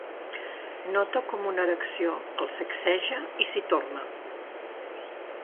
Nota com una erecció el sacseja i s'hi torna.